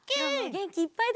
げんきいっぱい！